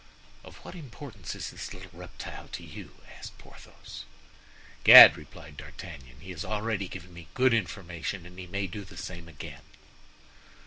"Of what importance is this little reptile to you?" asked Porthos. "Gad!" replied D'Artagnan; "he has already given me good information and he may do the same again."